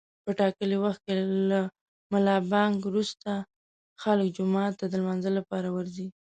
په ټاکلي وخت له ملابانګ روسته خلک جومات ته د لمانځه لپاره ورځي.